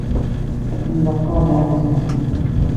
Atni la qqaren iɣmisen-nsen.